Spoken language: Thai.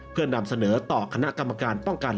เพื่อนำเสนอต่อคณะกรรมการป้องกัน